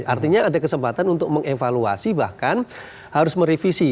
artinya ada kesempatan untuk mengevaluasi bahkan harus merevisi